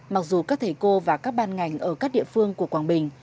mặc dù các thầy cô và các ban ngành ở các địa phương của quảng bình